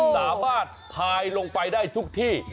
สาวบ้านพายลงไปได้ทุกที่